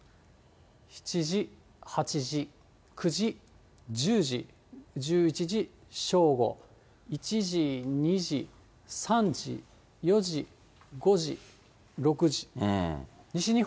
７時、８時、９時、１０時、１１時、正午、１時、２時、３時、４時、５時、６時。